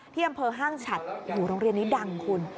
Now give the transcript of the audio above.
ที่อำเภอห้างฉัดโรงเรียนนี้ดังคุณ